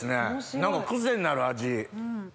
何か癖になる味。